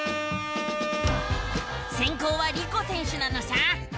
せんこうはリコ選手なのさ！